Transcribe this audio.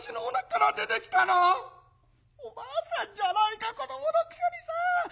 おばあさんじゃないか子どものくせにさ。